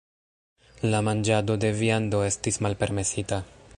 La manĝado de viando estis malpermesita.